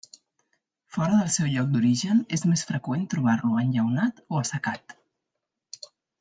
Fora del seu lloc d'origen és més freqüent trobar-lo enllaunat o assecat.